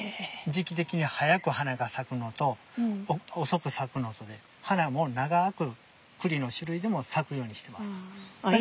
時期的に早く花が咲くのと遅く咲くのとで花も長くクリの種類でも咲くようにしてます。